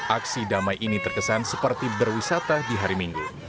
aksi damai ini terkesan seperti berwisata di hari minggu